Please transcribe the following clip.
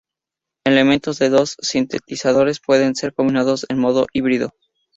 Elementos de los dos sintetizadores pueden ser combinados en "modo híbrido".